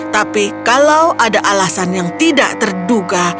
tapi kalau ada alasan yang tidak terduga